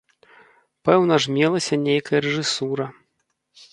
Пэўна ж мелася нейкая рэжысура.